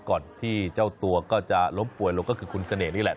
ก่อนที่เจ้าตัวก็จะล้มป่วยลงก็คือคุณเสน่ห์นี่แหละ